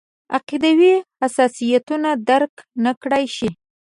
عقیدوي حساسیتونه درک نکړای شي.